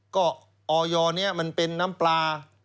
ก็ออยนี้มันเป็นน้ำปลา